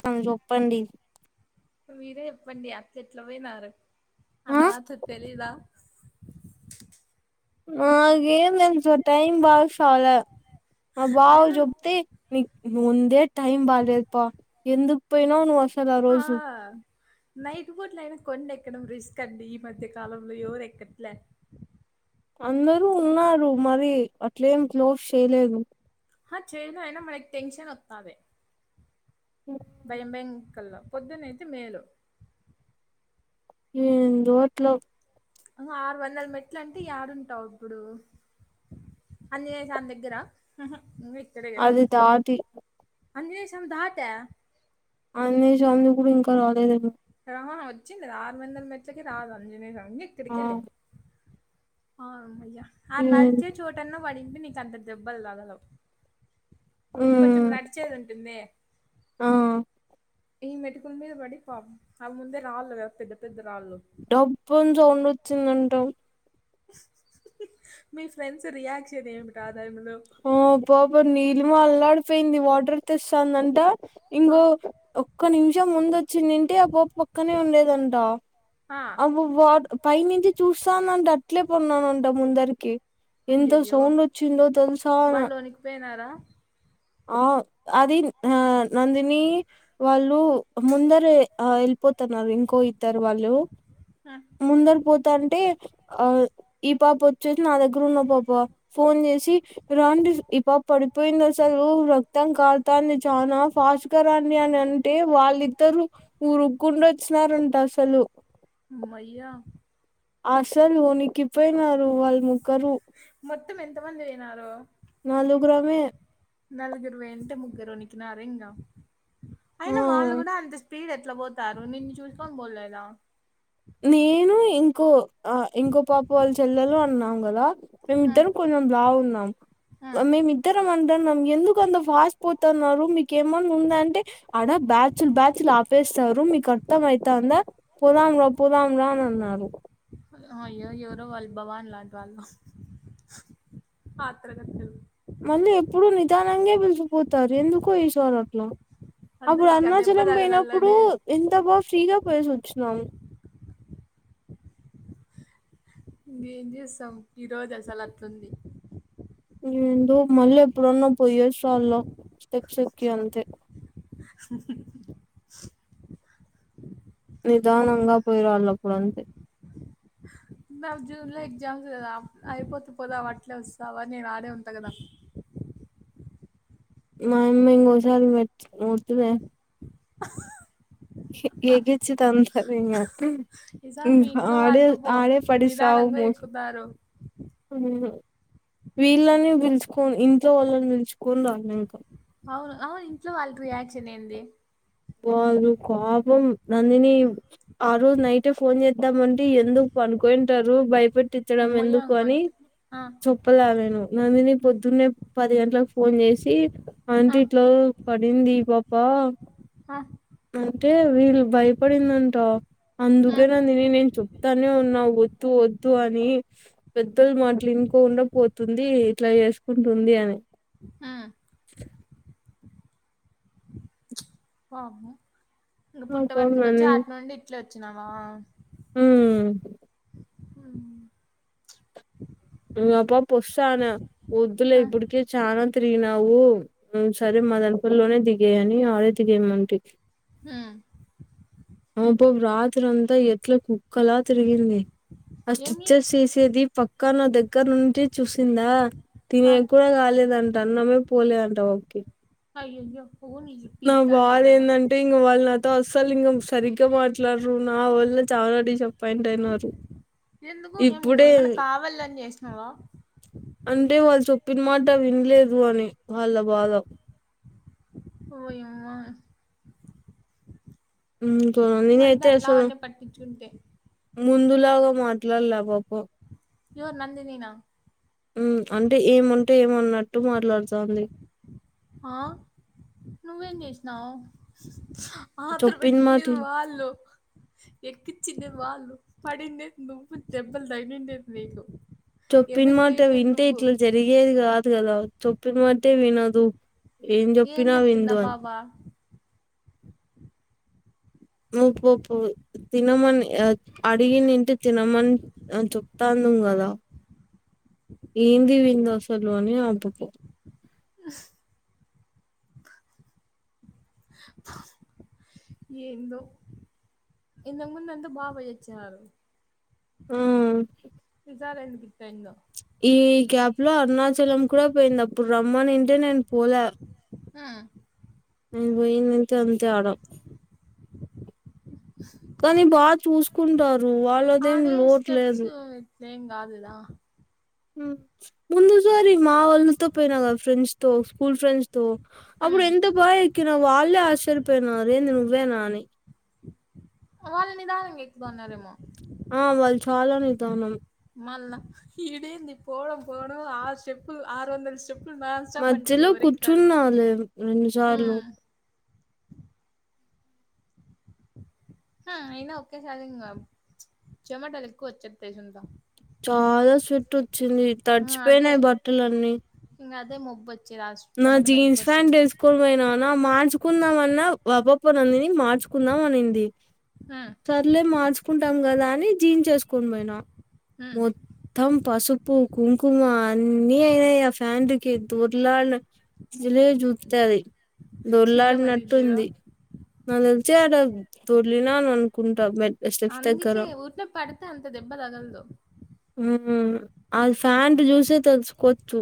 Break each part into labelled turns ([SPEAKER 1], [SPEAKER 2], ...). [SPEAKER 1] సంజోపండి
[SPEAKER 2] మీరే చెప్పండి అట్లెట్ల పోయినారు అంత
[SPEAKER 1] ఆ
[SPEAKER 2] అంత మాత్రం తెలీదా
[SPEAKER 1] నాకేం తెలుసు టైమ్ బాగుంది ఫాలో మా బావకు ఆ
[SPEAKER 2] అయినా
[SPEAKER 1] చెప్తే నీకు ముందే టైమ్ బాగాలేదుప్ప ఎందుకు పోయినవు నువ్వ అసలు చాలా
[SPEAKER 2] ఆ
[SPEAKER 1] రోజు
[SPEAKER 2] నైట్ బోట్ల అయినా కొండ ఎక్కడం రిస్క్ అండి ఈ మధ్య కాలంలో ఎవరు ఎక్కట్లే
[SPEAKER 1] అందరూ ఉన్నారు మరి అట్లేం క్లోజ్ చేయలేదు
[SPEAKER 2] హ చేయదుయినా మనకి టెన్షన్ వస్తాంది బయం భయంగా కల్లా పొద్దునైతే మేలు
[SPEAKER 1] ఊ రోట్లో
[SPEAKER 2] ఆరు వందల మెట్లు అంటే ఏడుంటావు ఇప్పుడు అందుకె ని దగ్గర
[SPEAKER 1] అదిదాటి
[SPEAKER 2] అందిజినేశం దాట్యా
[SPEAKER 1] ఆంజనేయస్వామి కూడా ఇంకా రాలేదు
[SPEAKER 2] ఆ వచ్చింది ఆరు వందల మెట్లకి రాదు అంజ అంగే
[SPEAKER 1] ఆ
[SPEAKER 2] ఎక్కడికలే ఆ అమ్మయ్యా ఆ
[SPEAKER 1] ఉమ్
[SPEAKER 2] నరిచే చోటన్న పడింది మే నికంత దెబ్బలు తగలవు కొంచెం
[SPEAKER 1] ఉమ్,
[SPEAKER 2] నడిచేది ఉంటుందే
[SPEAKER 1] ఆ
[SPEAKER 2] ఈ మెటుకున్ మీద పడి పాప అవి ముందే రాళ్ళు పెద్ద పెద్ద రాళ్ళు
[SPEAKER 1] డబ్బుంట్లో ఉండి వచ్చిందంట
[SPEAKER 2] మీ ఫ్రెండ్స్ రియాక్షన్ ఏమి కాద్
[SPEAKER 1] ఆ పాబ నీలి అల్లాడిపోయింది వాటర్ తెస్తాందంట
[SPEAKER 2] ఆ!
[SPEAKER 1] ఇంగో ఒకక్క నిమిషం ముందుచ్ చిన్నింటి ఆ పోపు పక్కనే ఉండేదంట ఆ వాట్ పై నుంచి చూస్తానంటే అట్లే పన్నానంట ముందరికి ఎంత సౌండ్ వచ్చిందో తెలుసా
[SPEAKER 2] వాళ్ళునిక్పెనార
[SPEAKER 1] ఆ అది ఆ నందినీ వల్లూ ముందరె అ ఎ ళ్ళిపోతన్నారు ఇంకో ఇద్దరు వాళ్ళు
[SPEAKER 2] హ్మ్.
[SPEAKER 1] ముందర్ పోతాంటే ఆ ఈ పాపొచ్చేసి నా దగ్గర ఉన్న పాప ఫోన్ చేసి రాండిస్ ఈ పాప పడిం పోయింది అసలు రక్తం కారతాంది చాన ఫాస్ట్గ రాండి అని అంటె వాళ్ళిద్దరు ఉరుక్కుంట వచ్చినారంట అసలు
[SPEAKER 2] యా
[SPEAKER 1] అసలు ఉనికి పొయినారు వాల్ ముగ్గరు
[SPEAKER 2] మొత్తం ఎంత మంది పె పోయినారు
[SPEAKER 1] నలుగరమే
[SPEAKER 2] నలుగురు మే అంటే ముగ్గురు వనకినారు ఇంగ
[SPEAKER 1] ఆ
[SPEAKER 2] అయిన వాళ్ళు కూడ అంత స్పీడ్ అ ఎట్ల బోతారు నిన్ను చూసుకోని పోలేదా
[SPEAKER 1] నేను ఇంకో అ ఇంకొ పాప వాళ్ళ చెల్లలు అన్న వలా మేమి
[SPEAKER 2] హ్మ్.
[SPEAKER 1] ఇద్దరం కొంచెం లావున్నాం
[SPEAKER 2] హ్మ్.
[SPEAKER 1] మేమి ఇద్దరం అంటన్నాం ఎందుకు అంత ఫాస్ట్ పోతన్నారు మీకెమన్న ఉంద అంటె ఆడ బ్యాచ్లు బ్యాచ్లు ఆపేస్తారు మీకు అర్థమయితాంద పోదాం ఒ పోదాం రా అనన్నారు
[SPEAKER 2] ఆ అయ్యో ఎవరో వాళ్ళ భవాన్ లాంటి వాళ్ళు పాత్ర గత్తెలు
[SPEAKER 1] మళ్ళీ ఎప్పుడు నిదానంగె పిల్చకపోతారు ఎందుకో ఈసారట్ల
[SPEAKER 2] అందు
[SPEAKER 1] అప్పుడు
[SPEAKER 2] నీకు ఆ దెబ్బ
[SPEAKER 1] అరుణాచలం పోయినప్పుడు
[SPEAKER 2] తగలల్లనే
[SPEAKER 1] ఎంత బా ఫ్రీగా పోయెసొచ్చినామ్
[SPEAKER 2] ఇంగేమ్ చేస్తాం ఈరోజు అసలట్లుంది
[SPEAKER 1] ఏందో మల్ల ఎప్పుడన్న పోయేసోళ్ళం స్టెప్స్ ఎక్కి అంతె
[SPEAKER 2] [unintelligible]
[SPEAKER 1] నిదానంగ పోయిరాళ్లు అప్పుడంతె
[SPEAKER 2] నాకు జూన్ లో ఎగ్జామ్స్ కదా అయిపోతె పోదామ్ అట్లే వస్తావ నేను ఆడే ఉంటా కదా
[SPEAKER 1] మాయమ్మ ఇంకోసారి మెట్ వద్దులే ఎగిచ్చితంతాది ఇంగ
[SPEAKER 2] ఈసారి
[SPEAKER 1] హ్మ్.
[SPEAKER 2] మీ ఇంట్లో
[SPEAKER 1] ఆడే
[SPEAKER 2] వాళ్ళతొ పో
[SPEAKER 1] ఆడే పడిస్తావు
[SPEAKER 2] నిదానంగా
[SPEAKER 1] మోస్
[SPEAKER 2] ఎక్కుతారు
[SPEAKER 1] ఉమ్, వీళ్ళని పిలుచుకొని ఇంట్లో వాళ్ళని పిలుచుకొని రాండింక
[SPEAKER 2] అవును అవును ఇంట్లో వాళ్ళకి రియాక్షన్ ఏంది
[SPEAKER 1] వాళ్ళు పాపం నందిని ఆ రోజు నైటే ఫోన్ చేద్దామంటే ఎందుకు పనుకొంటారు భయపెట్టి పెట్టించడం ఎందుకు
[SPEAKER 2] అమ్మయ్యంగ్
[SPEAKER 1] అని
[SPEAKER 2] అంతే ఆ!
[SPEAKER 1] చెప్పలా నేను నందిని
[SPEAKER 2] హ్మ్.
[SPEAKER 1] పొద్దున్నే పది గంటలకు ఫోన్ చేసి
[SPEAKER 2] ఆ!
[SPEAKER 1] ఆంటీ ఇట్లా పడింది ఈ పాప
[SPEAKER 2] ఆ
[SPEAKER 1] అంటే వీళ్ళు భయపడిందంట అందుకే
[SPEAKER 2] హ్మ్.
[SPEAKER 1] నందిని నేను చెప్ తనే ఉన్నావ్ వద్దు వద్దు అని పెద్దలు మాట్లు ఇంకొండా పోతుంది ఇట్లా చేసుకుంటుంది అని
[SPEAKER 2] ఆ పాపం ఇగా
[SPEAKER 1] ఆ పాప
[SPEAKER 2] పుట్టబర్తికి వచ్చి
[SPEAKER 1] నందిని
[SPEAKER 2] ఆటి నుండి ఇట్ల వచ్ వచ్చినవా
[SPEAKER 1] హ్మ్
[SPEAKER 2] హ
[SPEAKER 1] నేను అప్ప పొస్సానా [unintelligible] వొద్దులే
[SPEAKER 2] ఆ!
[SPEAKER 1] ఇప్పటికే చానా తిరిగినావు సరే మా దనపర్లోనే దిగేయని ఆడే దిగేమంటే
[SPEAKER 2] హ్మ్
[SPEAKER 1] పాపం రాత్రి అంతా ఎట్లా కుక్కలా తిరిగింది ఆ
[SPEAKER 2] ఏమి
[SPEAKER 1] స్టిచెస్ తీసేది పక్కా నా దగ్ దగ్గర నుండి చూసిందా
[SPEAKER 2] ఆ
[SPEAKER 1] తినేక్కుడా కాలేదం అన్నమే పోలేంటా ఆ పాపకి
[SPEAKER 2] అయా అయి పోనీ తితంట కద
[SPEAKER 1] వాళ్ళు నాతో అస్సలు ఇంక సరిగ్గా మాట్లాడరు నా వల్ల చాలా డిసప్పయింట్ అయినారు
[SPEAKER 2] ఎందుకు ఏం నువ్వు
[SPEAKER 1] ఇప్పుడే
[SPEAKER 2] ఏమైనా కావాలని చేస్త సనవ
[SPEAKER 1] అంటే వాళ్ళు చొప్పిన మాట వినలేదు అని వాళ్ళ బాధ
[SPEAKER 2] ఓయమ్మ
[SPEAKER 1] ఉమ్
[SPEAKER 2] ఇంగంతా అట్లావన్నీ పట్టించుంటే
[SPEAKER 1] ముందులాగా మాట్లాడలే పాప
[SPEAKER 2] యెర్ నందినీనా
[SPEAKER 1] ఉహ్ అంటే ఏమంటే ఏమన్నట్టు మాట్లాడుతంది
[SPEAKER 2] ఆ నువ్వేం చేస్నావ్ ఆత్ర
[SPEAKER 1] చెప్పిన మాట
[SPEAKER 2] పెట్టిందేమో వాళ్ళు ఎక్కించిదే వాళ్ళు పడిందే నువ్వు దెబ్బలు తగిలిండే నీకు
[SPEAKER 1] చోప్పిన
[SPEAKER 2] ఎఫెక్ట్
[SPEAKER 1] మాట
[SPEAKER 2] అయితేది
[SPEAKER 1] వింటే
[SPEAKER 2] నువ్వు
[SPEAKER 1] ఇట్లా జరిగేది కాదు కాద చొప్పన మాటె వినదుూ ఏం చోప్పినా
[SPEAKER 2] చెప్పిందా
[SPEAKER 1] విందు అని
[SPEAKER 2] బాబా
[SPEAKER 1] ముప్పుప్పు తినమని అడిగనింటి తినమని చో ప్తాంనం కదా ఏంది విల్ల అసలు అని అమ కో
[SPEAKER 2] ఏందొ ఇంతాకు ముంద అంత బాభాయి వచ్చారు
[SPEAKER 1] ఆ
[SPEAKER 2] ఇజాలండి వెంధో
[SPEAKER 1] ఈ గ్యాప్ లో అరుణాచలం కూడా పోయింది అప్పుడు రమ్మన్ంటే నేను పోలే
[SPEAKER 2] ఆ
[SPEAKER 1] నేను పోయినంతే అంతే ఆడ కానీ బా చూస కుండ
[SPEAKER 2] అదే స్టెప్స్ కాదు కదా
[SPEAKER 1] ముందుసారి మా వాళ్ళతో పోయినా కదా ఫ్రెండ్స్ తో స్కూల్ ఫ్రెండ్స్ తో అప్పుడు
[SPEAKER 2] హ్మ్.
[SPEAKER 1] ఎంత పాయకి న వాళ్ళలే ఆశ రిపోన రేంది నువ్వే ననే
[SPEAKER 2] వాళ్ళనిదా ఎక్దాన్నరమో
[SPEAKER 1] ఆ వాళ్ళు చాలనితానం
[SPEAKER 2] మాల ఇేంది పోడం పోడం ఆరు స్టెప్పు ఆరు వందల
[SPEAKER 1] మధ్యలో కూర్చున్నాాలి రెండుసార్లు
[SPEAKER 2] హ్మ్. అయిన్న ఒకేసారి జొమాటాలు ఎక్కువ వచ్చది తెసుంతా
[SPEAKER 1] చాలా స్ట్ వచ్చింది
[SPEAKER 2] ఆ!
[SPEAKER 1] తడిచిపోయినాయి బట్టలు అన్నీ
[SPEAKER 2] దే ముొబత్
[SPEAKER 1] నా జీన్స్ ప్యాంట్ వేసుకొని పోయినా నా మా మచుకుందాంమన్నా వాపప్పనందిని మార్చుకుందాం అనింది
[SPEAKER 2] హ్మ్.
[SPEAKER 1] సర్లే మార్చు కుంటాం కదా అని జీన్ేసుకొని పోయినాం
[SPEAKER 2] హ్మ్.
[SPEAKER 1] మొత్తం పసుపు కుంకుమ అన్నిీ అయినాయి ఆ ఫ్యాన్కి దుర్లాళ్ జిలే జూతది
[SPEAKER 2] కింద పడింటేనా?
[SPEAKER 1] దొల్లాడినట్టుంది నాకు తెలిసి ఆడ దొర్లిన ను అనుకుంటా మెట్
[SPEAKER 2] అందుకే ఊరిన పడితే అంత దెబ్బ తగలదు
[SPEAKER 1] మ్మ్ అది ఫ్యాంట్ చూసే తెలుసుకోవచ్చు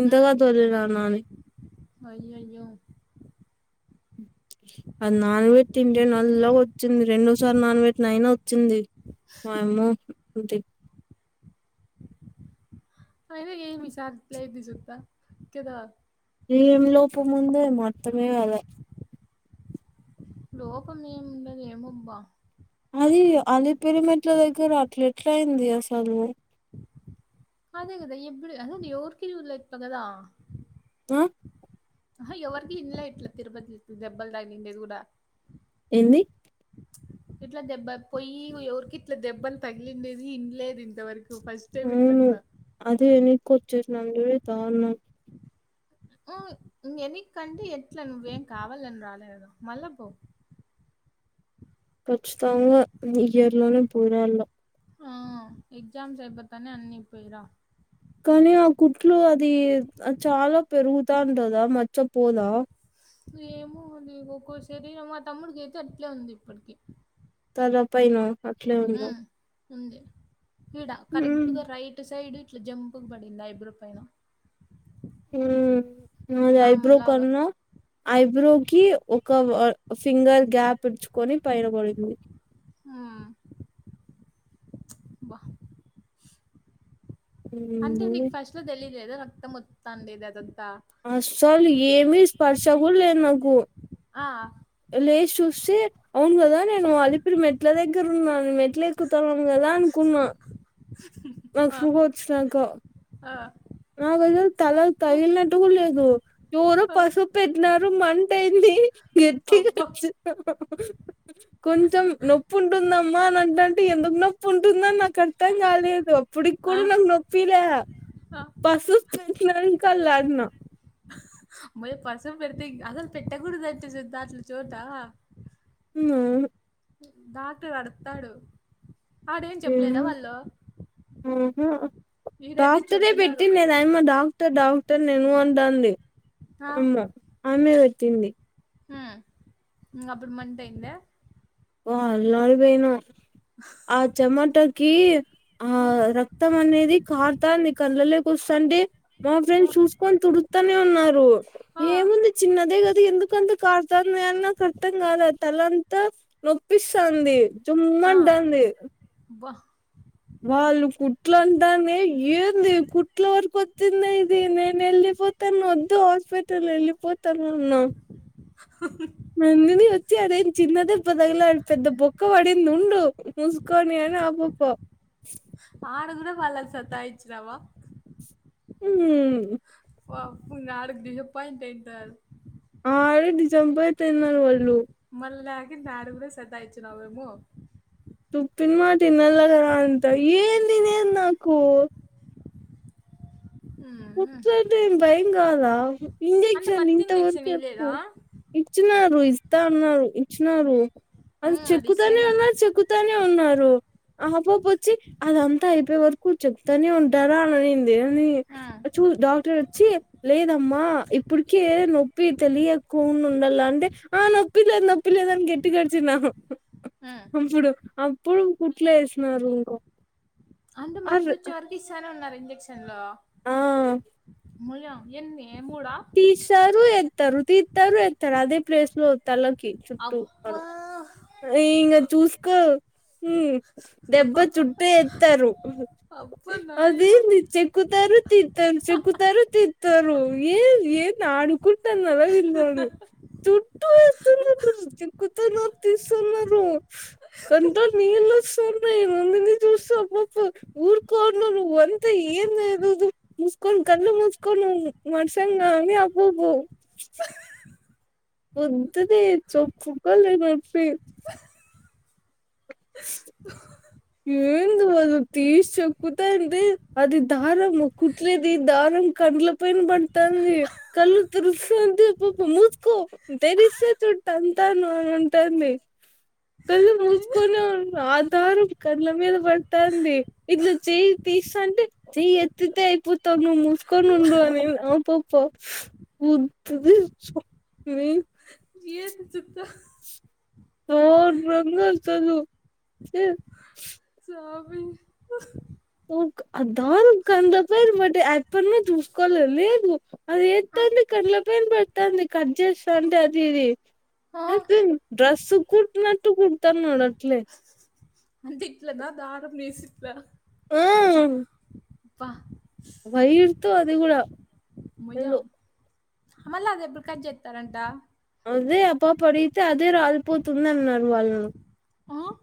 [SPEAKER 1] ఇంతగా దొర్లినాన్ అనీ
[SPEAKER 2] అయ్యాయో
[SPEAKER 1] అది నాన్ వెట్టింటే నల్ల గా వచ్చింది రెండోసార్ నాన్ వెట్టినా అయినా వచ్చింది వయమ్మూ ఉదే
[SPEAKER 2] అయినా ఏం ఈ సారి [unintelligible] జుతా కేదా
[SPEAKER 1] ఏం లోపం ఉందో ఏమో అర్థమే కాలే
[SPEAKER 2] లోపం ఏముండది ఏమబ్బా
[SPEAKER 1] అది అలీ పిరి మెట్ల దగ్గర అట్లెట్లా అయింది అసలు
[SPEAKER 2] అదే కదా ఎప్పుడు అసలు కి ఎవరికి చూడలేదు కదా
[SPEAKER 1] మ్మ్
[SPEAKER 2] ఆహా ఎవరికి ఇన్ లా ఇట్లా తిరుపతి దెబ్బల్ తగిలిండది కూడా
[SPEAKER 1] ఎంది
[SPEAKER 2] ఇట్లా దెబ్బ పోయి ఎవురికి ఇట్లా దెబ్బలు తగిలిండేది ఇన్లేదు ఇంతవరకు ఫస్ట్ టైం వింటన్నా
[SPEAKER 1] కొచ్చేసి నందువే దారుణం
[SPEAKER 2] హు ఇంగ ఎనిక్కి అంటే ఎట్ల నువు ఏం కావాల అని రాలే కద మళ్ళ పో
[SPEAKER 1] ఖచ్చితంగా ఇయర్ లోనే పోయి రాళ్ళ
[SPEAKER 2] ఆ ఎగ్జామ్స్ అయిపోతానే అన్ని పోయిరా
[SPEAKER 1] కానీ ఆ కుట్లు అది అది చాలా పెరుగుతాంటదా మచ్చ పోదా
[SPEAKER 2] ఏమో అది ఒక్కో శరీరం మా తమ్ముడికి అయితే అట్లే ఉంది ఇప్పటికి
[SPEAKER 1] తల పైన అట్లే ఉంద
[SPEAKER 2] హ్మ్. ఉంది ఇడ కరెక్ట్ గా రైట్ సైడ్ ఇట్ల జంపుగ్ పడింది ఐబ్రో పైన
[SPEAKER 1] హ్మ్ అది ఐబ్రో
[SPEAKER 2] నాంలాగా.
[SPEAKER 1] కన్నా ఐబ్రోకి ఒక వ సింగల్ గ్యాప్ ఇచ్చు కొని పైన పడింది
[SPEAKER 2] హ్మ్ బ్బ అంటే నీకు ఫస్ట్ లో తెలిలేద త మొత్తాండిదాదో క్క
[SPEAKER 1] సలు ఏమీ స్పర్శ కూడ్ లేదు నాకు
[SPEAKER 2] ఆ
[SPEAKER 1] లేస్ చూస్తే అవును కదా నేను అలిపిరి మెట్ల దగ్గర ఉన్నా నేన్ మెట్లు ఎక్కుతన్న కదా అనుకున్నా నాకు
[SPEAKER 2] ఆ!
[SPEAKER 1] సుగ వచ్చినాక
[SPEAKER 2] ఆ!
[SPEAKER 1] నాగైదె తల తగిలినట్టు కూడా లేదు ఎవరో
[SPEAKER 2] ఆ!
[SPEAKER 1] పసుపు పెట్టినర్ మంటేంది గట్టిగ
[SPEAKER 2] అబ్బా!
[SPEAKER 1] కొంచెం నొప్పి ఉంటుందమ్మా అని అంటంటే ఎందుకు నొప్పి ఉంట్ ఉందని నాకార్థం కాలేదు
[SPEAKER 2] ఆ!
[SPEAKER 1] ఇప్పటికూడా నాక్ నొప్పీలా
[SPEAKER 2] ఆ!
[SPEAKER 1] న్నారు కల్లాజ్ఞ
[SPEAKER 2] మయ పసం పెడితే అసలు పెట్టకూడదు అంటే చద్దా అసలు చోట
[SPEAKER 1] హ్మ్
[SPEAKER 2] డాక్టర్ అడ్తాడు ఆడేం చెప్పలేదా వాళ్ళు
[SPEAKER 1] ఆహా
[SPEAKER 2] ఈడైతే
[SPEAKER 1] డాక్టరే
[SPEAKER 2] చెప్పినారు.
[SPEAKER 1] పెట్టిన్నేది అయమ్మ డాక్ త డాక్ట తర్ నేను అంటాంది
[SPEAKER 2] ఆ!
[SPEAKER 1] అయమ్మ ఆయమ్మె తింది
[SPEAKER 2] హ్మ్ ఇంగ అప్పుడు మంట అయ్యిందా
[SPEAKER 1] పో అల్లాడిపోయిన ఆ చెమటక్ కీ ఆ రక్తం అనేది కార్తాంది కండ్లలేకి ఒస్తాంటే మా ఫ్రెండ్ చూసుకొని తుడుతనే ఉన్నారు
[SPEAKER 2] ఆ
[SPEAKER 1] ఏముంది చిన్నదే గద్ అది ఎందుకంత కార్తాంది అని నాక్ అర్తం కాలే తలంతా నొప్పిస్తాంది చుమ్మ
[SPEAKER 2] ఆ
[SPEAKER 1] అంటాంది
[SPEAKER 2] బా
[SPEAKER 1] వాళ్ళు కుట్ ట్లన్ తాంది ఏంది కుట్ల వరకు ఒత్ తింద ఇది నేను ఎళ్ళిపోతాను ఒదు హాస్పిటల్ ఎళ్ళిపోతాను అన్నా మేందిని యత్ వచ్చి అదేం చిన్నదెబ్బ తగిలినాయి అని పెద్ద బొక్క పడింది ఉండు మూసుకొని అని ఆ పాప
[SPEAKER 2] ఆడ గుడ వాళ్ళని సతాయిచ్చినావా
[SPEAKER 1] మ్మ్
[SPEAKER 2] పాప్ము నాలుగ్ డిసప్పాయింట్ అయింటారు
[SPEAKER 1] అల్ది డిజంపాయిట్ అయినారు వాళ్ళు
[SPEAKER 2] మల్ల ల్యాకుంటే ఆడ గుడ సతాయిచ్చినావేమో
[SPEAKER 1] తుప్పిన్ మాట ఇనల్ల గదా అంతా ఏందినే నాకు
[SPEAKER 2] ఉమ్.
[SPEAKER 1] కుచ్చోంటే ఏం బై అవును గదా
[SPEAKER 2] అంటే
[SPEAKER 1] ఇంజక్షన్
[SPEAKER 2] మత్తు
[SPEAKER 1] ఇంత వరకు
[SPEAKER 2] ఇంజెక్షన్
[SPEAKER 1] ఎప్పు
[SPEAKER 2] ఇయలేదా
[SPEAKER 1] ఇచ్చినా రు ఇస్తా అన్నారు ఇచ్చినారు అది చెక్కుతానే ఉన్నారు చెక్కుతానే ఉన్నారు ఆ పాప ఒచ్చి అదంతా అయిపోయే వరకు చెప్తానే ఉంటారా అని అనింద్ దే ఉంది
[SPEAKER 2] ఉమ్,
[SPEAKER 1] చూ డాక్టర్ ఒచ్చి లేదమ్మా ఇప్పుడికి నొప్పి తెలియకోండ ఉండాల అంటే ఆ నొప్పి లేదు నొప్పి లేదని గెట్టిగ అరిచినా ఆహ్
[SPEAKER 2] ఉమ్.
[SPEAKER 1] ముఫుడు అప్పుడు కుట్ల వేసినారు ఇంకా
[SPEAKER 2] అండ మత్ వచ్చే వరకు ఇస్తానే ఉన్నారు ఇక్షన్ లో
[SPEAKER 1] ఆ
[SPEAKER 2] మళయ ఎన్ని మూడా
[SPEAKER 1] తీసారు ఎత్ తరు తితారు ఏతారు అది ప్లేస్లులో తల కి చుట్టూ అను
[SPEAKER 2] అబ్బా
[SPEAKER 1] ఇంగా చూసుకో ఉ దెబ్బ చుట్టూ ఎత్తరు
[SPEAKER 2] అబ్బా
[SPEAKER 1] అది
[SPEAKER 2] నాయనా
[SPEAKER 1] చెక్కుతారు తితారు చెక్కుతారు తితారు ఏ ఈనాడు కుట్టన్నవిల్ చుట్టు ఏస్తారు చిక్కుాతారు తీస్తన్న రు కంట్రోల్ నీళ్ళు సున్ర్ నేను ఉందింది చూస్త అబ్ప్పు ఊర్కో నువ్వు వంత ఏందుదు ముసుకని కళ్ళ ముంసుకో నువ్వు మడ్సాంగా అని అబ్బప్పు వద్దునే చొప్పుకో లేనే అడ్ పి ఏంది వాళ్లు తీసి ఎక్కుతంది అది దారం కుట్లేది దారం కండ్ల పైన పడుతంది కళ్ళు తిరుస్తాది పప మూసుకో తెరిస్తే చుట్ట అంతాను అని అంటాంది కళ్ళు
[SPEAKER 2] అయ్యో
[SPEAKER 1] కొనును ఆధారం కళ్ళల మీద పడతంది ఇట్లా చెయ్యి తీస్తంటే చెయ్యి ఎత్తే అయిపోతావు నువ్వు మూసుకొని ఉండు అని ఆ పప్ప పద్దుది
[SPEAKER 2] ఏది జుత్త
[SPEAKER 1] తాను రంగస్త్ లో తీ
[SPEAKER 2] తాబి
[SPEAKER 1] దారం కండ్ల పైన బట్టి ఎప్పుడన చూసుకోలేదు లేదు అది
[SPEAKER 2] ఆ,
[SPEAKER 1] ఎత్తడి కండ్ల పైన పట్టంది కట్ చేస్తా అంటే అది ఇది
[SPEAKER 2] ఆ.
[SPEAKER 1] డ్రస్సు కుట్టినట్టు కుడతాన్నాడు అట్లే
[SPEAKER 2] ఇట్లా ద దారం ఏసిట్ల ద
[SPEAKER 1] ఆ [unintelligible]
[SPEAKER 2] వా
[SPEAKER 1] వైరుతో అది గూడా
[SPEAKER 2] మయం మల్ల అది ఇప్పుడు కజ్ చెత్తరంటా
[SPEAKER 1] అదే ఆపప్పు అడిగితే అదే రాలిపోతుంది అన్నారు వాళ్లు
[SPEAKER 2] ఆ